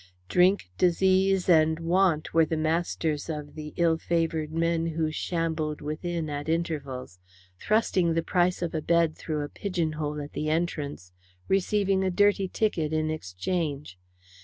Drink, disease and want were the masters of the ill favoured men who shambled within at intervals, thrusting the price of a bed through a pigeon hole at the entrance, receiving a dirty ticket in exchange.